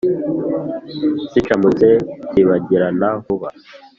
zicamutse, cyibagirana vuba